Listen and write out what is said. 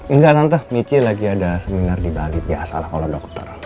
enggak tante michi lagi ada seminar di bali biasalah kalo dokter